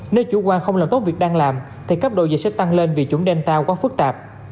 nếu chủ quan không làm tốt việc đang làm thì cấp độ dịch sẽ tăng lên vì chủng delta quá phức tạp